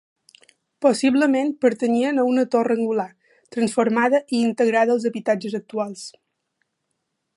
Possiblement pertanyien a una torre angular, transformada i integrada als habitatges actuals.